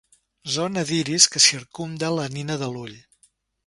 Zona d'iris que circumda la nina de l'ull.